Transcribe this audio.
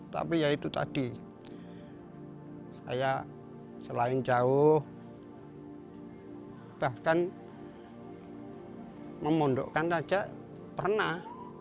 tapi ya itu tadi saya selain jauh bahkan memundukkan saja pernah